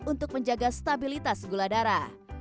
untuk menjaga stabilitas gula darah